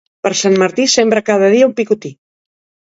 Per Sant Martí sembra cada dia un picotí.